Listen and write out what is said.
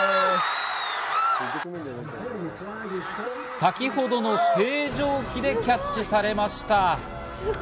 先ほどの星条旗でキャッチされました。